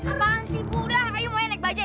apaan sih bu udah ayo naik bajaj